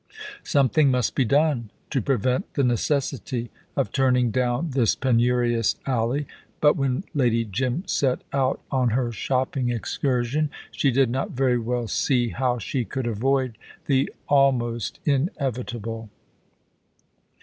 Something must be done to prevent the necessity of turning down this penurious alley, but when Lady Jim set out on her shopping excursion she did not very well see how she could avoid the almost inevitable.